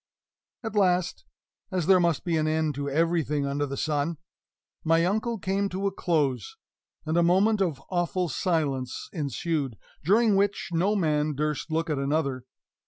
At last (as there must be an end to everything under the sun) my uncle came to a close; and a moment of awful silence ensued, during which no man durst look at another.